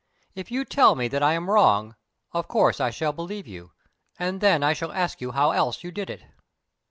If you tell me that I am wrong, of course I shall believe you and then I shall ask you how else you did it."